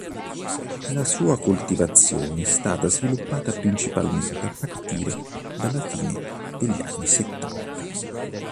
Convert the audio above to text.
La sua coltivazione è stata sviluppata principalmente a partire dalla fine degli anni settanta.